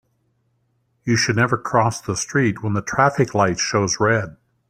You should never cross the street when the traffic light shows red.